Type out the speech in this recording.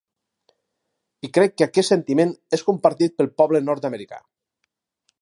I crec que aquest sentiment és compartit pel poble nord-americà.